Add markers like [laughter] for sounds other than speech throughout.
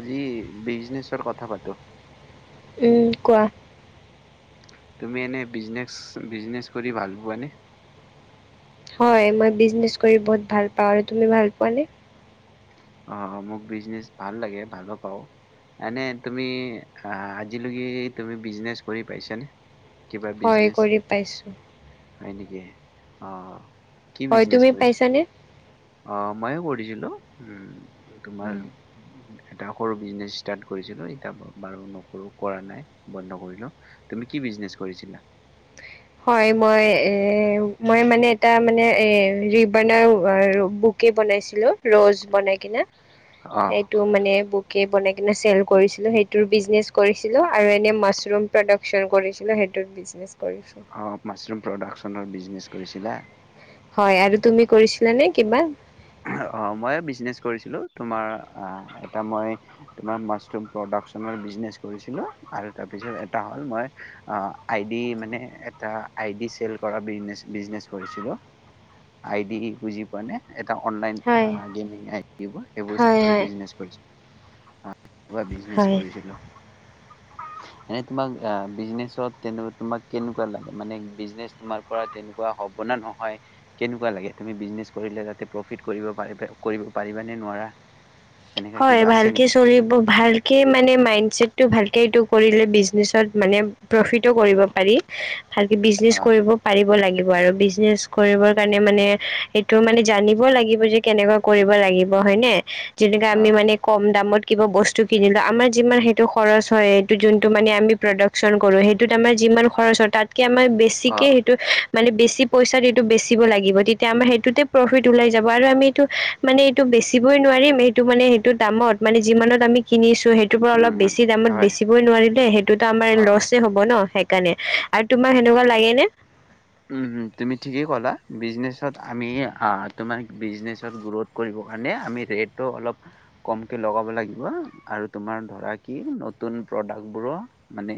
আজি বিজনেচৰ কথা পাতোঁ উ কোৱা তুমি এনে বিজনেচ বিজনেচ কৰি ভাল পোৱানে হয় মই বিজনেচ কৰি বহুত ভাল পাওঁ আৰু তুমি ভাল পোৱাানে? অ মোক বিজনেচ ভাল লাগে ভালো পাওঁ এনে তুমি আজিলৈকে তুমি বিজনেচ কৰি পাইছানে? কিবা হয় বিজনেচ কৰি পাইছোঁ। হয় নেকি অ। কি হয়, বিজনেছ তুমি কৰিছে পাইছানে? অ মইও কৰিছিলো। হেল্ল' উম তোমাৰ এটা সৰু বিজনেছ ষ্টাৰ্ট কৰিছিলো এতি বাৰু নকৰো কৰা নাই বন্ধ কৰিলো তুমি কি বিজনেছ কৰিছিলা? হয় মই এ মই মানে এটা মানে ৰিবণ বুকে বনাইছিলো ৰজ বনাই কিনে। অ সেইটো মানে বুকে বন কিনে চেল কৰিছিলোঁ সেইটোৰ বিজনেছ কৰিছিলোঁ আৰু এনেই মাছৰুম প্ৰডাকচন কৰিছিলোঁ সেইটোত বিজনেছ কৰিছিলোঁ অঁ মাছৰুম প্ৰডাকশ্যনৰ বিজনেছ কৰিছিলা? হয় আৰু তুমি কৰিছিলা নে কিবা? অ মই বিজনেচ কৰিছিলো তোমাৰ অহ এটা মই মাস্তৰুম শ মই প্ৰডাকনৰ বিনেচ কৰিছিলো আৰু তাৰপিছত এটা হল মই আইি মানে এটা আইি চেল কৰা বিজনেচ কৰিছিলো আইদি কি বুজি পোৱা নে এ অনলান হয়, গেমিং এপ হয়, সেইবোৰ। হয়, বিলাক। বিজনেছ হয়। কৰিছিলো এনে তোমাক বিজনেচত তোমাক কেনেকুৱা লাগে মানে বিজনেচ তোমাৰ পৰা তেনেকুৱা হব না নহয় কেনেকুৱা লাগে তুমি বিজনেচ কৰিলে তাতে প্ৰফিট পাৰ কৰিব পাৰিবা নে নোৱাৰা এনেকা হয় কিবা আছে ভালকে নেকি চলিব ভালকে মানে মাইন্ডচেটো ভালকে কৰিলে বিজনেছত মানে প্ৰফিটো কৰিব পাৰি। ভালকে বিজনেচ অ', কৰিব পাৰিব লাগিব। বিজনেচ কৰিবৰ কাৰণে মানে এইটো মানে জানিব লাগিব যে কেনেকুৱা কৰিব লাগিব হয়নে? আমি অ', মানে কম দামত কিবা বস্তু কিনিলোঁ আমাৰ যিমান সেইটো খৰচ হয় সেইটো যোনটো মানে আমি প্ৰডাকশচন কৰোঁ সেইটোত আমাৰ যিমান খৰচ হয় তাত আমাৰ বেছিকে অ', সেইটো মানে বেছি পইচাত এইটো বেচিব লাগিব তেতিয়া আমাৰ সেইটোতে প্ৰফিট ওলাই যাব আৰু আমি এইটো মানে এইটো বেচিবই নোৱাৰিম সটো মানে, সেইটো দামত মানে যিমানত আমি কিনিছো? ত', সেইটোৰ পৰা উম, অলপ উম, বেছি দামত হয়, বেচিবই নোৱাৰিলে সেইটোতো আমাৰ অ'। ল'চে হ'ব ন? কাৰণে আৰু তোমাক সেনেকুৱা লাগে নে? উ'ম, উম ', তুমি ঠিকেই ক'লা বিজনেচত আমি আঁহ ', তোমাৰ বিজনেচত গ্ৰোথ কৰিব কাৰণে আমি ৰেট অলপ কমকে লগাব লাগিব আৰু তোমাৰ ধৰা কি নতুন প্ৰডাক্ট বোৰো মানে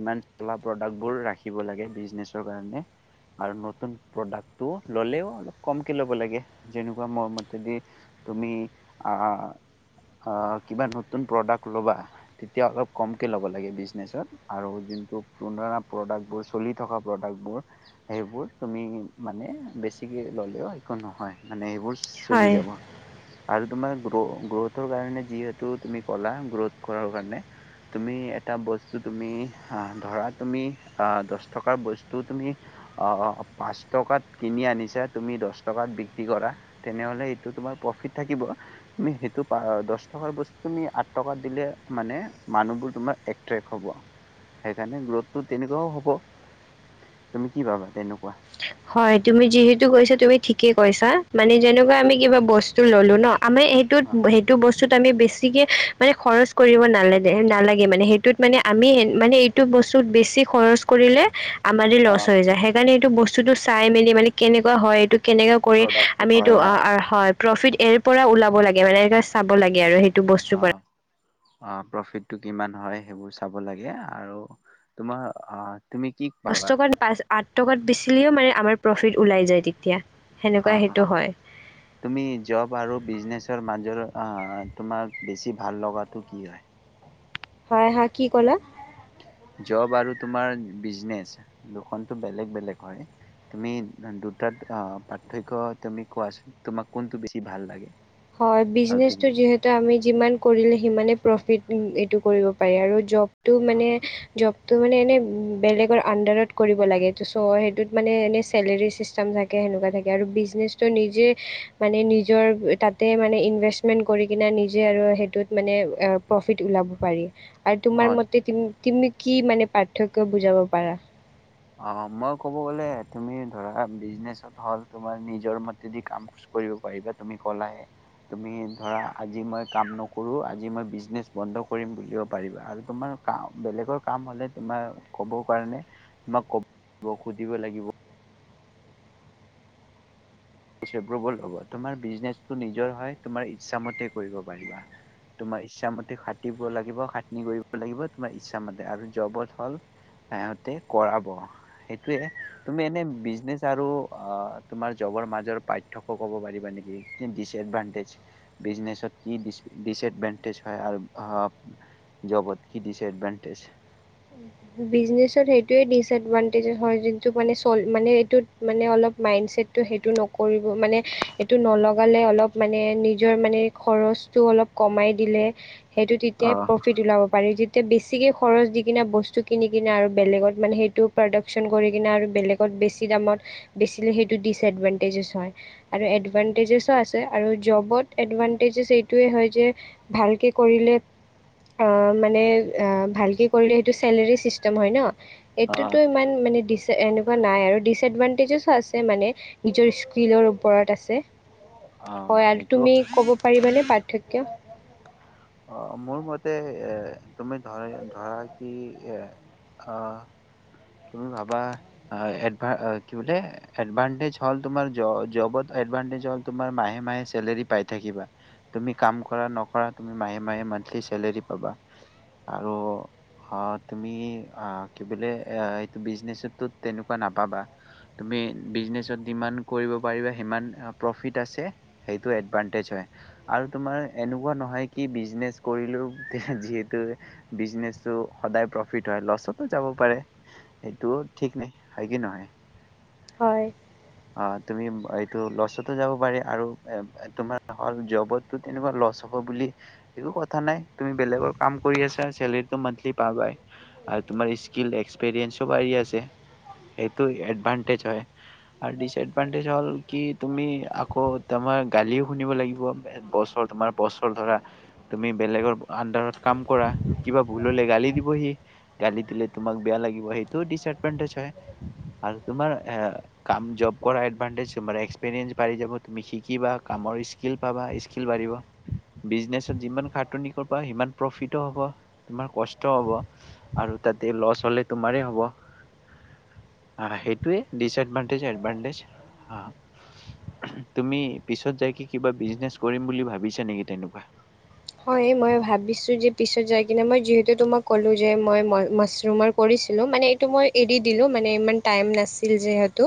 ইমান চলা প্ৰডাক্ট বোৰ ৰাখিব লাগে বিজনেছত নিজৰ কাৰণে আৰু নতুন প্ৰডাক্টটো ললেও কম কে ল'ব লাগে যেনেকুৱা মোৰ মতে দি তুমি আঁহ', - আঁহ ', কিবা নতুন প্ৰডাক্ট লবা তেতিয়া অলপ কমকে লব লাগে বিজনেছত আৰু জোনটো পুৰণা প্ৰডাক্ট বোৰ চলি থকা ভিতৰত প্ৰডাক বোৰ সেইবোৰ তুমি মানে বেছিকে ললেও একো নহয় মানে সেইবোৰ চলি হয় যাব আৰু তোমাৰ গ্ৰ- গ্ৰ'থৰ কাৰণে যিহেতু তুমি ক'লা গ্ৰ'থ কৰাৰ কাৰণে তুমি এটা বস্তু তুমি ধৰা তুমি দহ টকাৰ বস্তু তুমি আহ', পাঁচ টকাত কিনি আনিছা তুমি দহ টকাত বিক্ৰী কৰা তেনেহলে সটো তোমাৰ প্ৰফিট থাকিব। তুমি সেইটো দহ টকাৰ বস্তু তুমি আঠ টকাত দিলে মানে মানুহবোৰ তোমাৰ এট্ৰক্ হব সেইকাৰণে গ্ৰ'থটো তেনেকুৱাও হব। তুমি কি ভাবা তেনেকুৱা? হয়', তুমি', যিহেতু কৈছা তুমি ঠিকে কৈছা মানে যেনেকুৱা আমি কিবা বস্তু ল'লো ন', আমি সেইটোত-সেইটো বস্তু, বস্তুত আমি বেছিকে মানে খৰচ কৰিব নালাগে', -নালাগে', মানে সেইটোত মানে, আমি মানে এইটো বস্তুত বেছি খৰচ কৰিলে আমাৰে অ লছ হৈ যায়। সেইকাৰণে এইটো বস্তু, বস্তুটো চাই-মেলি মানে কেনেকুৱা হয়, এইটো, কেনেকে কৰি প্ৰডাক্টটো হয় আমিটো অ হয়, ' প্ৰফিট, এৰ', পৰা ওলাব লাগে মানে এ', চাব লাগে আৰু সেইটো, এইটো বস্তু পাৰে, অ প্ৰফিটটো কিমান হয়, সেইবোৰ চাব লাগে আৰু তোমাৰ, তুমি', কি দহ পাবা? টকাত পাঁচ আঠ টকাত বেচিলেও মানে আমাৰ প্ৰফিট ওলাই যায়, ‌তেতিয়া অ' অ', তুমি জব আৰু বিজনেচৰ মাজৰ, অ', তোমাক বেছি ভাল লগাটো কি হয়? হয়, হা, কি ক'লা? জব আৰু তোমাৰ বিজনেছ দুখনটো বেলেগ- বেলেগ হয়। তুমি দুটাত পাৰ্থক্য তুমি কোৱাচোন তোমাক কোনটো বেছি ভাল লাগে? হয়', আৰু বিজনেছটো তুমি যিহেতু আমি যিমান, কৰিলে সিমানে প্ৰফিট, এইটো কৰিব পাৰে আৰু জব, টো মানে জব, তো মানে এনেই বেলেগৰ আণ্ডাৰত কৰিব লাগে চ' সেইটোত মানে এনে চেলেৰী ছিষ্টেম থাকে সেনেকুৱা থাকে আৰু বিজনেচটো নিজে মানে নিজৰ তাত হে মানে ইনভেষ্টমেণ্ট কৰি কিনে নিজে আৰু সেইটোত মানে প্ৰফিট ওলাব পাৰি আৰু তোমাৰ অ মতে তুমি তুমি কি মানে পাৰ্থক্য বুজাব পাৰা। অ মই কব গলে তুমি ধৰা বিজনেচত হল তোমাৰ নিজৰ মতেদি ক কৰিব পাৰিবা তুমি কলাই তুমি ধৰা আজি মই কাম নকৰোঁ আজি মই বিজনেচ বন্ধ কৰিম বুলিও পাৰিবা আৰু তোমাৰ কাম বেলেগৰ কাম হলে তোমাৰ কব কাৰণে তোমাক ক'ব সুধিব লাগিব। [unintelligible] তোমাৰ বিজনেচটো নিজৰ হয় তোমাৰ ইচ্ছা মতে কৰিব পাৰিবা, তোমাৰ ইচ্ছামতে খাটিব লাগিব খাত্নি কৰিব লাগিব তোমাৰ ইচ্ছা মতে আৰু জবত হল সিহতে কৰাব সেইটোৱে, তুমি এনে বিজনেচ আৰু তোমাৰ জবৰ মাজ নিজৰ পাঠ্য ক'ব পাৰিবা নেকি কি ডিচএডভাণ্টেজ, বিজনেছত কি দিছ ডিচএডভাণ্টেজ হয় আৰু অ জবত কি ডিচএডভাণ্টেজ। বিজনেছৰ সেইটোৱে ডিচএডভাণ্টেজেজ হৈ জোনটো মানে চল মানে এইটোত মানে অলপ মাইণ্ডছেটটো সেইটো নকৰি মানে এইটো নলওঁ। ৱালে অলপ মানে নিজৰ মানে খৰচটো অলপ কমাই দিলে সেইটো তেতিয়াই অ' প্ৰফিত ওলাব পাৰি। এয়া বেছিকে খৰচ দি কিনে বস্তু কিনি কিনে আৰু বেলেগত মানে সেইটো প্ৰডাক্যন কৰি কিনে আৰু বেলেগত বেছি দামত বেচিলে সেইটো ডিচএডভানটেজেছ হয় আৰু এডভানটেজেছো আছে আৰু জবত এডভানটেজেছ এইটোৱেই হয় যে ভালকৈ কৰিলে মানে ভালকৈ কৰিলে সেইটো চেলেৰিচ চিষ্টেম হয় ন। এইটোতো অ' ইমান মানে দিচ এনেকুৱা নাই আৰু ডিচএডভানটেজেছো আছে মানে নিজৰ স্কিলৰ ওপৰত আছে। অ' হয় আৰু সেইটো তুমি ক'ব পাৰিবানে পাৰ্থক্য। অ মোৰ মতে এ তুমি ধ-ধৰা কি উম অ তুমি ভাবা অ এডভা কি বোলে এডভাণ্টেজ হল তোমাৰ জ-জ-জবত এডভাণ্টেজ হল তোমাৰ মাহে মাহে চেলাৰী পাই থাকিবা তুমি কাম কৰা নকৰা তুমি মাহে মে মান্থলি চেলাৰি পাবা আৰু তুমি কি বোলে এইটো বিজনেচতো তেনেকুৱা নাপাবা তুমি বিজনেচত যিমান কৰিব পাৰিবা সিমান প্ৰফিট আছে সেইটো এডভানটেজ হয় আৰু তোমাৰ এনেকুৱা নহয় কি বিজনেছ কৰিলো যিহেতু বিজনেচটো সদায় প্ৰফিট হয় লছতো যাব পাৰে সেইটো ঠিক নাই হয় কি নহয়? হয় অঁ তুমি এইটো লচটো যাব পাৰে আৰু তোমাৰ হল যবতটো তেনেকুৱা লছ হব বুলি একো কথা নাই, তুমি বেলেগৰ কাম কৰি আছা চেলেৰিত মন্থলি পাবাই আৰু তোমাৰ স্কিল এক্সপেৰিইঞ্চ চব আহি আছে এইটো এডভান্সটেজ হয়। আৰু ডিচএডভানটেজ হ'ল কি তুমি আকৌ তোমাৰ গালিও শুনিব লাগিব বছৰ তোমাৰ বছৰ ধৰা তুমি বেলেগৰ আনডাৰত কাম কৰা কিবা ভুল হলে গালি দিবহি গালি দিলে তোমাক বেয়া লাগিব সেইটো ডিচএডভানটেজ হয় আৰু তোমাৰ। কাম জব কৰা এডভাঞ্চতেৰেচ এক্সপিৰিয়েছ বাঢ়ি যাব তুমি শিকিবা কামৰ স্কিল পাবা স্কিল বাঢ়িব বিজনেছ যিমান খাটনি সিমান প্ৰফিট হ'ব তোমাৰ কষ্ট হ'ব আৰু তাতে লছ হ'লে তোমাৰে হবে। অঁ সেইটোৱেই ডিচেতমেন। তাৰ পাছত এডভান্সতেচ আ তুমি পিছত যাই কি কিবা বিজনেচ কৰিম বুলি ভাবিছা নেকি তেনেকুৱা। হয় মই ভাবিছোঁ যে পিছত যাই কিনে মই যিহেতু তোমাক ক'লো যে মই মাছৰুমৰ কৰিছিলোঁ মানে এইটো মই এৰি দিলোঁ মানে ইমান টাইম নাছিল যিহেতু।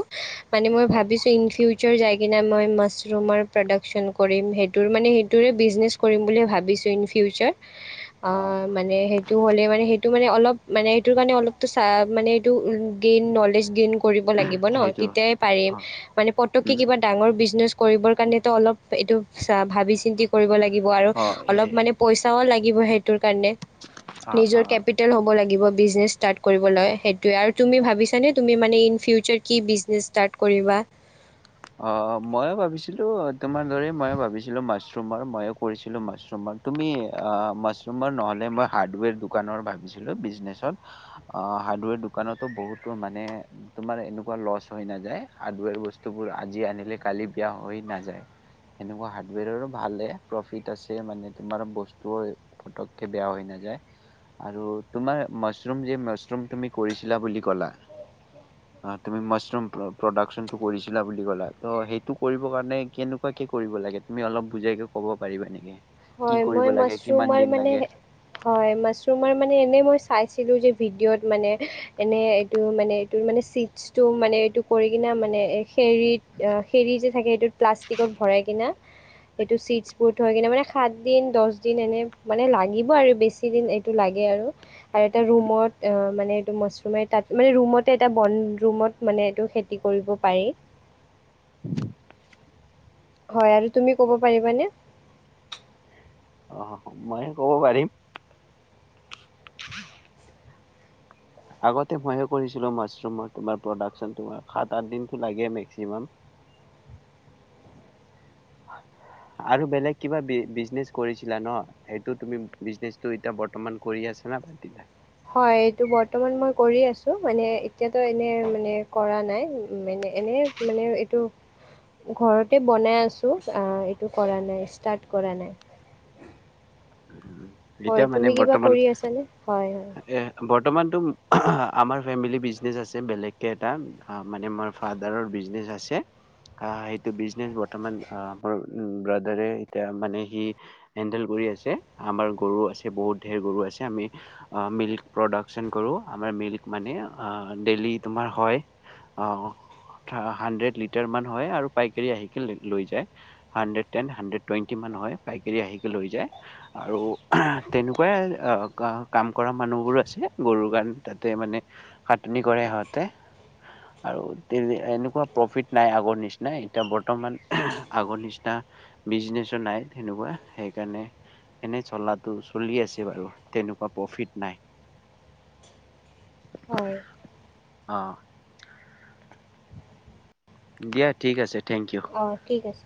মানে মই অ ভাবিছোঁ ইন ফিউচাৰ য। কিনে মই মাছৰুমৰ প্ৰডাকচন কৰিম সেইটোৰ মানে সেইটোৰে বিজনেচ কৰিম বুলিয়েই ভাবিম। বিছ ইন ফিউচাৰ। অ মানে সেইটো হ'লে মানে সেই। টো মানে অলপ মানে এইটো কাৰণে অলপ চা মানে এইটো গেইন নলেজ গেইন। কৰিব লাগিব নহ সেইটো তেতিয়া হে পাৰিম। অ মানে পতকে উম কিবা ডাঙৰ বিজনেচ। কৰিবৰ কাৰণেতো অলপ এইটো চা ভাবি চিন্তি কৰিব লাগি লাগিব আৰু অ এ অলপ মানে পইচাও লাগে লাগিব সেইটোত কাৰণে অ নিজৰ অ কেপিটেল হ'ব লাগে কিবা বিজনেছ ষ্টাৰ্ট কৰিব লয় সেইটোৱে। তুমি ভাবিছানে ইন ফিউচাৰ কি বিজনেছ ষ্টাৰ্ট কৰিবা। অ ময়ো ভাবিছিলোঁ তোমাৰ দৰে ময়ো ভাবিছিলোঁ মাছৰুমৰ ময়ো কৰিছিলোঁ মাছৰুমৰ। তুমি মাছৰুমৰ নহ'লে মই হাৰ্ডৱেৰ দোকানৰ ভাবিছিলোঁ বিজনেছত। অ' হাৰ্ডৱেৰ দোকানতো বহুতো মানে তোমাৰ এনেকুৱা লছ হৈ নাযায় হাৰ্ডৱেৰ বস্তু। এইবোৰ আজি আনিলে কালি বেয়া হৈ নাযায়। এনেকুৱা হাৰ্ডৱেৰ ও ভালে প্ৰফিত আছে মানে তোমাৰ বস্তু পতককে বেয়া হৈ নাযায় আৰু তোমাৰ মাছৰুম যে মাছৰুম তুমি কৰিছিলা বুলি কলা অ' তুমি মাছৰুম প্ৰডাকচনটো কৰি - কৰিছিলা বুলি কলা ত' সেইটো কৰিব কাৰণে কেনেকুৱাকে কৰিব লাগে। তুমি অলপ বুজাইকে ক'ব পাৰিবা নেকি। কি হয়, মই কৰিব লাগে কিমান মছৰুমৰ দিন মানে লাগে হয়, মছৰুমৰ মানে এনেই মই চাইছো। ছিলো যে ভিডিঅ'ত মানে এনে এইটো মানে এইটো মানে চিটছটো মানে এইটো কৰি কিনে মানে। খেৰীত হেৰি যে থাকে সেইটোত প্লাষ্টিকত ভৰাই কিনা। এইটো চিটছ বৰ্ড হয় কিনে মানে খা- সাত দিন, দহ দিন এনে মানে লাগিব আৰু বেছি দিন এইটো লাগে আৰু আৰু এটা ৰুমত মানে এইটো মাছৰুমে তাত মানে ৰুমতে এটা বন ৰুমত মানে এইটো খেতি কৰিব পাৰি। হয় আৰু তুমি ক'ব পাৰিবনে? অ' ময়ে ক'ব পাৰিম। আগতে ময়ে কৰিছিলো মছৰুম বা প্ৰডাকচনটো। সাত, আঠদিনতো লাগে মেকচিমাম। আৰু বেলেগ কিবা বিজনেচ কৰিছিলা ন, সেইটো তুমি বিজনেচ এতিয়া বৰ্তমান কৰি আছা না বাদ দিলা? হয়, এইটো বৰ্তমান মই কৰি আছো মানে এতিয়াতো এনে মানে কৰা নাই মানে। এনে মানে এইটো ঘৰতে বনাই আছো আ এইটো কৰা নাই ষ্টাৰ্ট কৰা নাই। [inaudible] হয়, মানে তুমি কিবা বৰ্তমান কৰি আছানে হয়। এ বৰ্তমানতো আমাৰ ফেমিলি বিজনেচ আছে। বেলেগকৈ এটা মানে মোৰ ফাদাৰৰ বিজনেছ আছে। সেইটো বিজনেছ বৰ্তমান মোৰ ব্ৰাডাৰে এতিয়া মানে সি হেণ্ডেল কৰি আছে। আমাৰ গৰু আছে বহুত সেই গৰু আছে। আমি মিল্ক প্ৰডাকচন কৰো। আমাৰ মিল্ক মানে ডেইলি তোমাৰ হয় অহ হানড্ৰেড লিটাৰ মান হয় আৰু পাইকাৰী আহি লৈ যায়। হানড্ৰেড টেন হানড্ৰেড টুৱেন্টি মান হয় পাইকাৰী আহি লৈ যায়। আৰু তেনেকুৱাই কাম কৰা মানুহবোৰো আছে। গৰুৰ কাৰণে তাতে মানে খাটনি কৰে সিহঁতে আৰু তে এনেকুৱা প্ৰফিট নাই আগৰ নিচিনা এতিয়া বৰ্তমান আগৰ নিচিনা বিজনেচো নাই তেনেকুৱা সেইকাৰণে। এনে চলাটো চলি আছে বাৰু তেনেকুৱা প্ৰফিট নাই হয় আহ দিয়া ঠিক আছে। থেংক ইউ অ ঠিক আছে।